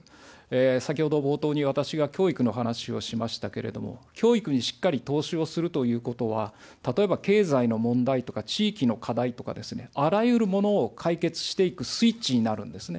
先ほど冒頭に私が教育の話をしましたけれども、教育にしっかり投資をするということは、例えば経済の問題とか地域の課題とか、あらゆるものを解決していくスイッチになるんですね。